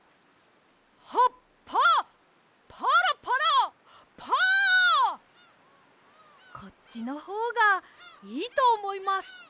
「葉っぱパラパラパー」こっちのほうがいいとおもいます。